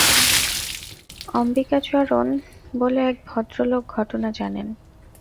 অম্বিকাচরণ বলে এক ভদ্রলোক ঘটনা জানেন।